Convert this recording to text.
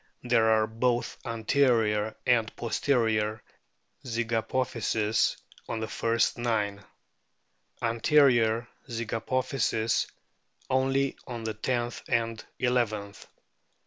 There are both anterior and posterior zygapophyses on the first nine ; anterior zygapophyses only on the tenth and eleventh.